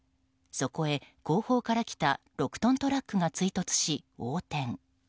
そこへ後方から来た６トントラックが追突し横転。